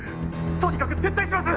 とにかく撤退します！！